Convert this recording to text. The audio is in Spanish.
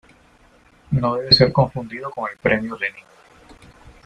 No debe ser confundido con el Premio Lenin.